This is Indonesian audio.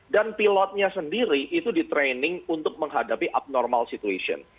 dan pilotnya sendiri itu di training untuk menghadapi abnormal situation